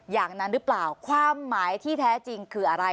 อย่างนั้นหรือเปล่าความหมายที่แท้จริงคืออะไร